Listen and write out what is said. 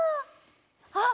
あっ！